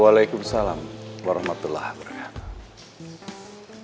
waalaikumsalam warahmatullahi wabarakatuh